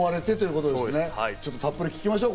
あとでたっぷり聞きましょう。